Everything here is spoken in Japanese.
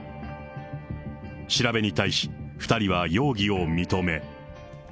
調べに対し、２人は容疑を認め。